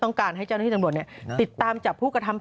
ต้องการให้จ้าน้าที่ตำลวทเนี้ยติดตามจากผู้กระทำ